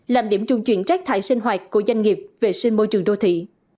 làm điểm trung chuyển rác thải sinh hoạt của doanh nghiệp vệ sinh môi trường đô thị